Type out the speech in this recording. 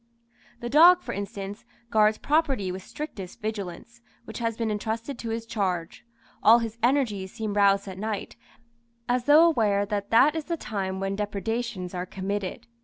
The dog, for instance, guards property with strictest vigilance, which has been entrusted to his charge; all his energies seem roused at night, as though aware that that is the time when depredations are committed.